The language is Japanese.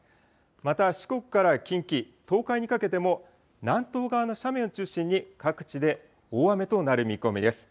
また、四国から近畿、東海にかけても、南東側の斜面を中心に、各地で大雨となる見込みです。